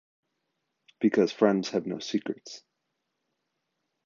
Because friends have no secrets.